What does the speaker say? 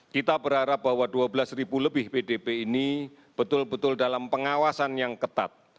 kita berharap bahwa dua belas ribu lebih pdp ini betul betul dalam pengawasan yang ketat